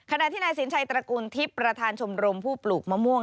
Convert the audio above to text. ขณะที่นายสินชัยตระกูลทิพย์ประธานชมรมผู้ปลูกมะม่วง